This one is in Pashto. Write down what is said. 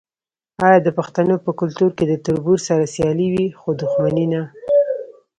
آیا د پښتنو په کلتور کې د تربور سره سیالي وي خو دښمني نه؟